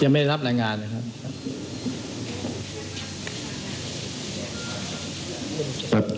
ยังไม่ได้รับรายงานนะครับ